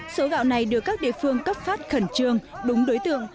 số gạo này được các địa phương cấp phát khẩn trương đúng đối tượng